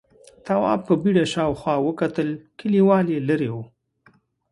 تواب په بيړه شاوخوا وکتل، کليوال ليرې و: